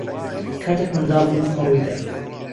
کاتێک منداڵ بووم ئەمە ڕووی دا.